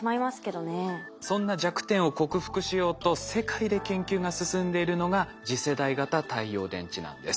そんな弱点を克服しようと世界で研究が進んでいるのが次世代型太陽電池なんです。